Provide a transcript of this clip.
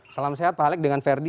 salam sehat pak alex dengan verdi